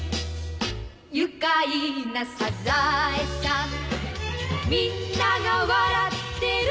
「愉快なサザエさん」「みんなが笑ってる」